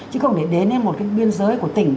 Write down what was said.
chứ không để đến một cái biên giới của tỉnh